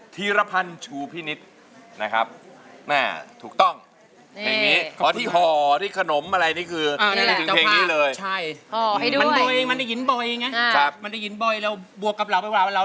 ธีรพรรณชุพินิษฐ์นะครับ